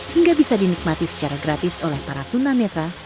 hingga bisa dinikmati secara gratis oleh para tunan netral